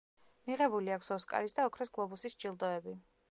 მიღებული აქვს ოსკარის და ოქროს გლობუსის ჯილდოები.